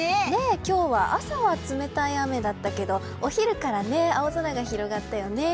今日は朝は冷たい雨だったけどお昼から青空が広がったよね。